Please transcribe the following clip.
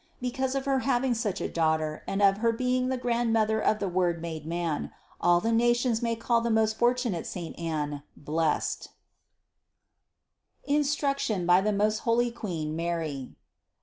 Because of her having such a Daughter and of her being the grandmother of the Word made man, all the nations may call the most fortunate saint Anne blessed. 556 CITY OF GOD INSTRUCTION BY THE MOST HOLY QUEEN MARY.